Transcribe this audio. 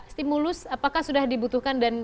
stimulus apakah sudah dibutuhkan dan